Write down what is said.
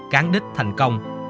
cán đích thành công